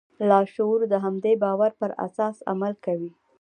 لاشعور د همدې باور پر اساس عمل کوي.